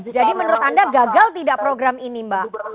jadi menurut anda gagal tidak program ini mbak